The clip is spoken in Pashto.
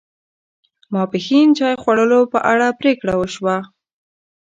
ماپښین چای خوړلو په اړه پرېکړه و شوه.